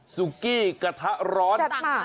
ซุกี้กระทะร้อน